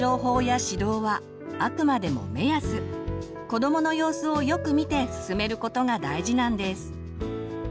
子どもの様子をよく見て進めることが大事なんです。